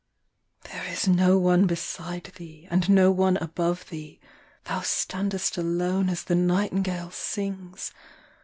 There is do one beside thea and no one above thee, Thou standest alone as the nightingale sings